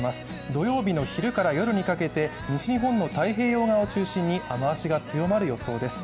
土曜日の昼から夜にかけて西日本の太平洋側を中心に雨足が強まる予想です。